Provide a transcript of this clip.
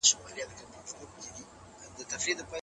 که نجونې برابرې وي نو تبعیض به نه وي.